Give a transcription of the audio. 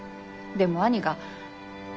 でも兄が。